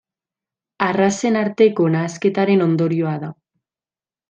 Arrazen arteko nahasketaren ondorioa da.